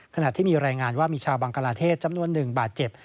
ขณะที่มีรายงานว่ามีชาวบังกลาเทศจำนวนหนึ่งบาดเจ็บ